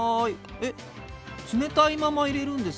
えっ冷たいまま入れるんですか？